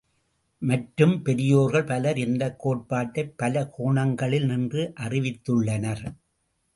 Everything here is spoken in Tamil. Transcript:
மற்றும், பெரியோர்கள் பலர் இந்தக் கோட்பாட்டைப் பல கோணங்களில் நின்று அறிவித்துள்ளனர்.